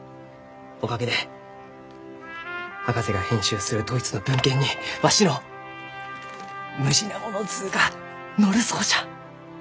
おかげで博士が編集するドイツの文献にわしのムジナモの図が載るそうじゃ！